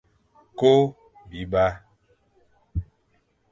Ko biba.